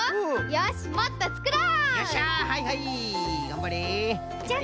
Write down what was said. よしもっとつくろう！よっしゃ！